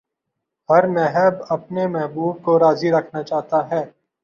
ہر محب اپنے محبوب کو راضی رکھنا چاہتا ہے